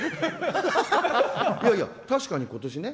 いやいや、確かに今年ね。